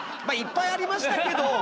まあいっぱいありましたけど。